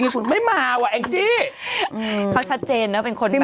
เขาชัดเจนนะเป็นคนแบบ